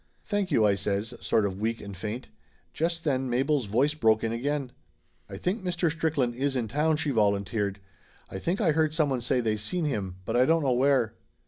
"Thank you !" I says, sort of weak and faint. Just then Mabel's voice broke in again. "I think Mr. Strickland is in town," she volunteered. "I think I heard someone say they seen him, but I don't know where."